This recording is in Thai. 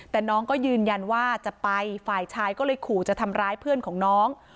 แต่น้องก็ยืนยันว่าจะไปฝ่ายชายก็เลยขู่จะทำร้ายเพื่อนของน้อง